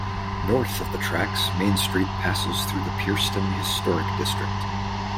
North of the tracks Main Street passes through the Pierceton Historic District.